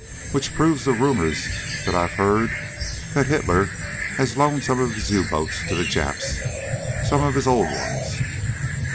"Which proves the rumors that I've heard: that Hitler has loaned some of his U boats to the Japs, some of his old ones."